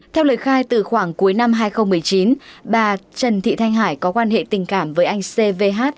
theo lời khai từ khoảng cuối năm hai nghìn một mươi chín bà trần thị thanh hải có quan hệ tình cảm với anh c v h